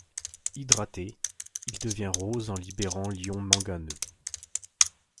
Hydraté, il devient rose en libérant l'ion manganeux.